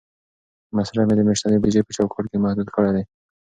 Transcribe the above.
مصرف مې د میاشتنۍ بودیجې په چوکاټ کې محدود کړی دی.